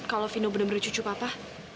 kalau vino benar benar cucu papa